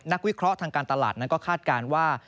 วิเคราะห์ทางการตลาดนั้นก็คาดการณ์ว่า